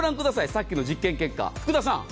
さっきの実験結果、福田さん。